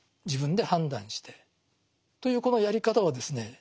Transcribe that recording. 自分で判断してというこのやり方はですね